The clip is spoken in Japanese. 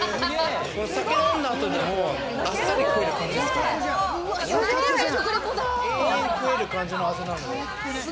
酒飲んだ後でもあっさり食える感じです。